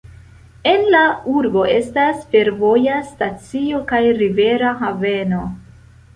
En la urbo estas fervoja stacio kaj rivera haveno.